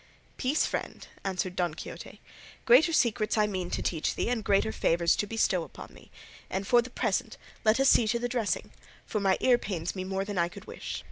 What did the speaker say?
"Peace, friend," answered Don Quixote; "greater secrets I mean to teach thee and greater favours to bestow upon thee; and for the present let us see to the dressing, for my ear pains me more than I could wish."